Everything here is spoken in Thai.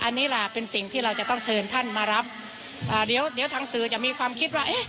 อันนี้ล่ะเป็นสิ่งที่เราจะต้องเชิญท่านมารับเดี๋ยวฐังสือจะมีความคิดว่า